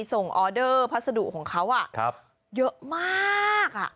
ส่งออเดอร์พัสดุของเขาอะเยอะมากอะ